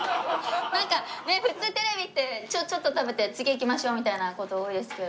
なんかね普通テレビってちょっと食べて次行きましょうみたいな事多いですけど。